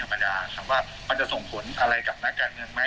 แล้วผมก็ไม่ค่อยทราบรายละเอียดเท่าไหร่ว่าเราทำยังไง